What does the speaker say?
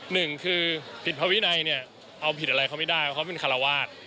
หนึ่งคือผิดภาวินัยเนี่ยเอาผิดอะไรเขาไม่ได้เพราะเขาเป็นคาราวาส